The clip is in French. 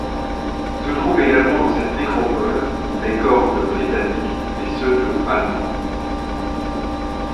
Se trouvent également dans cette nécropole les corps de britanniques et ceux de allemands.